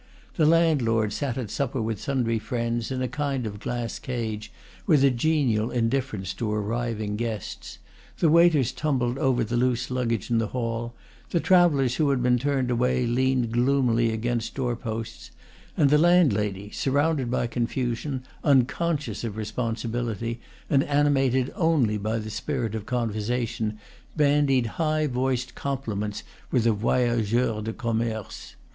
The landlord sat at supper with sundry friends, in a kind of glass cage, with a genial indifference to arriv ing guests; the waiters tumbled over the loose luggage in the hall; the travellers who had been turned away leaned gloomily against door posts; and the landlady, surrounded by confusion, unconscious of responsibility, and animated only by the spirit of conversation, bandied high voiced compliments with the voyageurs de com merce.